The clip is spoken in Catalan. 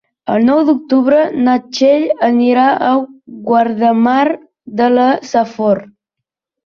El nou d'octubre na Txell anirà a Guardamar de la Safor.